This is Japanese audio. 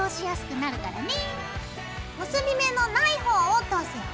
結び目のないほうを通すよ。